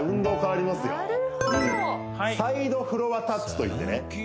なるほどサイドフロアタッチといってね